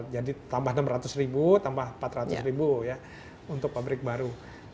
jadi tambah enam ratus tambah empat ratus ya untuk pabrik baru